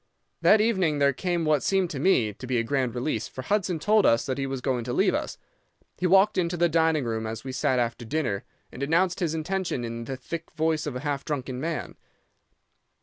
"'That evening there came what seemed to me to be a grand release, for Hudson told us that he was going to leave us. He walked into the dining room as we sat after dinner, and announced his intention in the thick voice of a half drunken man.